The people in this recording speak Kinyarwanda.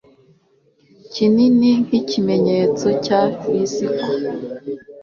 Kinini nkikimenyetso cya Frisco